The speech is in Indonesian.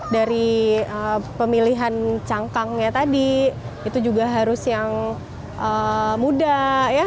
dari pemilihan cangkangnya tadi itu juga harus yang muda ya